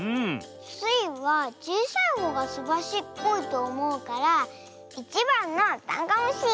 スイはちいさいほうがすばしっこいとおもうから１ばんのダンゴムシ！